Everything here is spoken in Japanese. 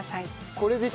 これで？